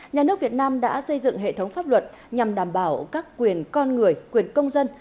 nhà nước việt nam đã xây dựng hệ thống pháp luật nhằm đảm bảo các quyền con người quyền công dân